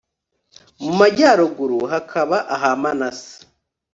mu majyaruguru hakaba aha manase